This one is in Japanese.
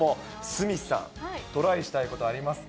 鷲見さん、トライしたいことありますか？